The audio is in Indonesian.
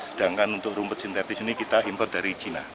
sedangkan untuk rumput sintetis ini kita import dari china